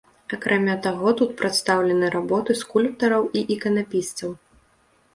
Акрамя таго, тут прадстаўлены работы скульптараў і іканапісцаў.